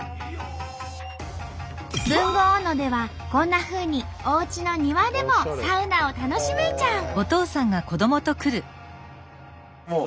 豊後大野ではこんなふうにおうちの庭でもサウナを楽しめちゃう！